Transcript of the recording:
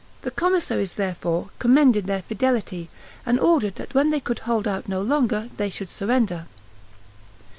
The commissaries, therefore, commended their fidelity, and ordered that when they could hold out no longer, they should surrender.